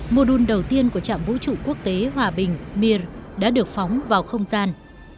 mô đun đầu tiên của trạm vũ trụ quốc tế hòa bình mier đã được phóng vào không gian